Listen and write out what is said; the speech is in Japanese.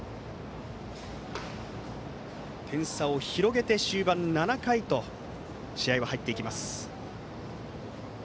点差を広げて終盤、７回へと試合は入っていきます。